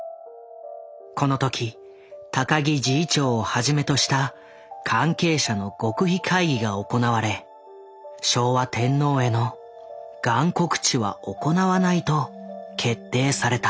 このとき高木侍医長をはじめとした関係者の極秘会議が行われ昭和天皇へのガン告知は行わないと決定された。